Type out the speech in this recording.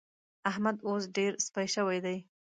احمد اوس ډېر سپي شوی دی.